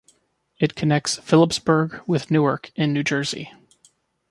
It connects Phillipsburg with Newark in New Jersey.